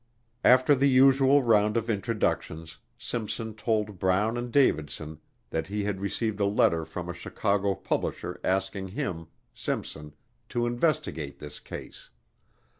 After the usual round of introductions Simpson told Brown and Davidson that he had received a letter from a Chicago publisher asking him, Simpson, to investigate this case.